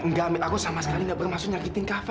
enggak amit aku sama sekali gak bermaksud nyakitin kaka